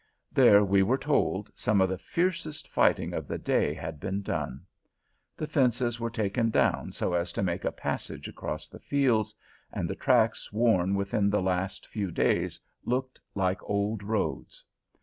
There, we were told, some of the fiercest fighting of the day had been done. The fences were taken down so as to make a passage across the fields, and the tracks worn within the last few days looked like old roads.